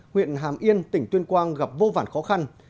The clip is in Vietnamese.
huyện hàm yên tỉnh tuyên quang gặp vô vản khó khăn